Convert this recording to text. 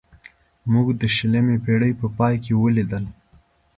موږ د شلمې پېړۍ په پای کې ولیدل.